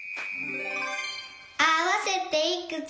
あわせていくつ？